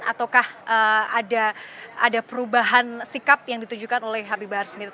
ataukah ada perubahan sikap yang ditujukan oleh habib bahar smith